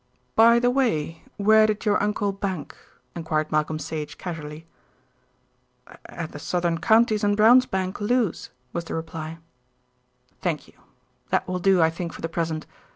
"By the way, where did your uncle bank?" enquired Malcolm Sage casually. "At the Southern Counties and Brown's Bank, Lewes," was the reply. "Thank you. That will do, I think, for the present.